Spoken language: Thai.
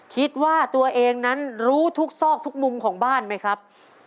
คิดว่าตัวเองนั้นรู้ทุกซอกทุกมุมของบ้านไหมครับ